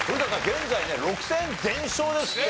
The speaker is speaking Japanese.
現在ね６戦全勝ですって。